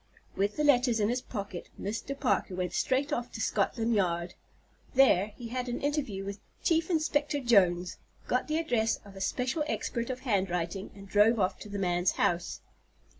With the letters in his pocket, Mr. Parker went straight off to Scotland Yard. There he had an interview with Chief Inspector Jones, got the address of a special expert of handwriting, and drove off to the man's house.